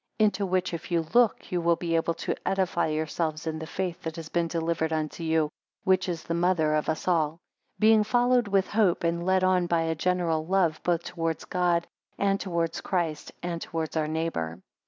3 Into which if you look, you will be able to edify yourselves in the faith that has been delivered unto you, which is the mother of us all; being followed with hope, and led on by a general love, both towards God and towards Christ, and towards our neighbour.